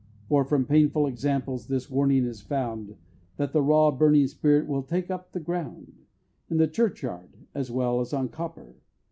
For, from painful examples, this warning is found, That the raw burning spirit will take up the ground, In the churchyard, as well as on copper!